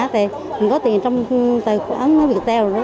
thì mình có tiền trong tài khoản viettel đó